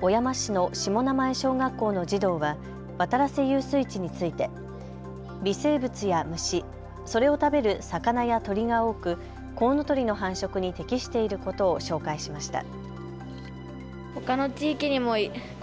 小山市の下生井小学校の児童は渡良瀬遊水地について微生物や虫、それを食べる魚や鳥が多くコウノトリの繁殖に適していることを紹介しました。